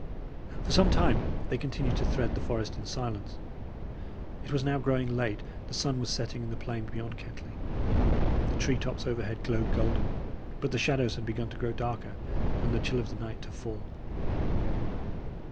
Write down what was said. For some time they continued to thread the forest in silence. It was now growing late; the sun was setting in the plain beyond Kettley; the tree tops overhead glowed golden; but the shadows had begun to grow darker and the chill of the night to fall.